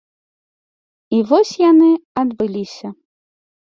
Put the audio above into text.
І вось яны адбыліся.